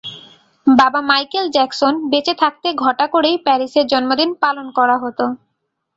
বাবা Michael Jackson বেঁচে থাকতে ঘটা করেই প্যারিসের জন্মদিন পালন করা হতো।